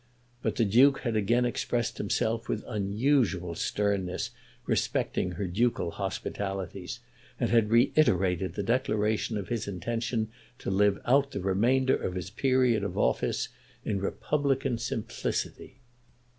But the Duke had again expressed himself with unusual sternness respecting her ducal hospitalities, and had reiterated the declaration of his intention to live out the remainder of his period of office in republican simplicity.